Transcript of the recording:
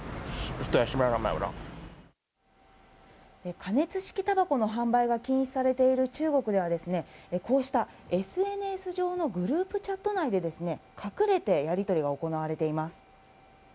加熱式たばこの販売が禁止されている中国ではこうしたＳＮＳ上のグループチャット内で隠れてやり取りが行われています。